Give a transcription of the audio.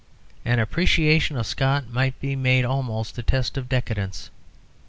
An appreciation of Scott might be made almost a test of decadence.